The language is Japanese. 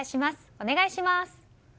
お願いします。